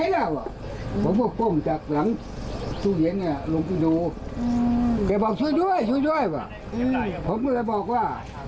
ลุงพ่องค่ะ